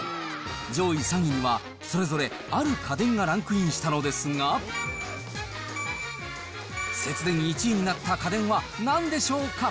上位３位はそれぞれある家電がランクインしたのですが、節電１位になった家電はなんでしょうか。